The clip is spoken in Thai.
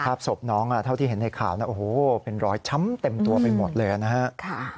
ศพน้องเท่าที่เห็นในข่าวนะโอ้โหเป็นรอยช้ำเต็มตัวไปหมดเลยนะฮะ